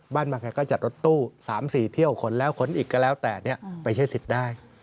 บางใครก็จัดรถตู้๓๔เที่ยวขนแล้วขนอีกก็แล้วแต่ไปใช้สิทธิ์ได้